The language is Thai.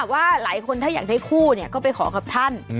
ว่าหลายคนถ้าอยากได้คู่ก็ไปขอกับท่าน